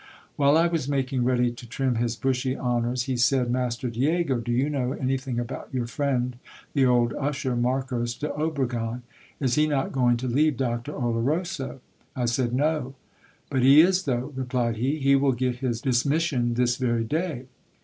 While I was making ready to trim his bushy honours, he said — Master Diego, do you know anything about your friend, the old usher, Marcos de Obregon ? Is he not going to leave Doc tor Oloroso ? I said, No. But he is though, replied he ; he will get his dis mission this very day.